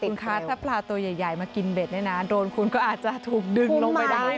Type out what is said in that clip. คุณคะถ้าปลาตัวใหญ่มากินเบ็ดเนี่ยนะโรนคุณก็อาจจะถูกดึงลงไปได้